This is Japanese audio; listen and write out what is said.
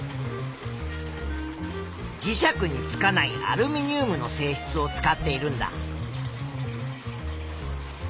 磁石につかないアルミニウムの性質を使っているんだ。